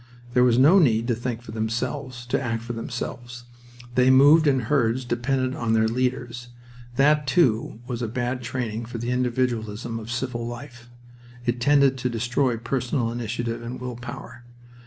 There was no need to think for themselves, to act for themselves. They moved in herds dependent on their leaders. That, too, was a bad training for the individualism of civil life. It tended to destroy personal initiative and willpower.